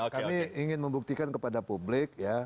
kami ingin membuktikan kepada publik